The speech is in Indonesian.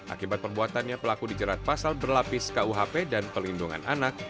akibat perbuatannya pelaku dijerat pasal berlapis kuhp dan pelindungan anak